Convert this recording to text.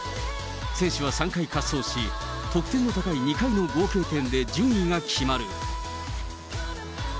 選手は３回滑走し、得点の高い２回の合計点で順位が決まる。